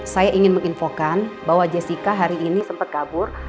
saya ingin menginfokan bahwa jessica hari ini sempat kabur